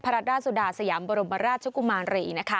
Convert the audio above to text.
รัฐด้าสุดาสยามบรมราชกุมารี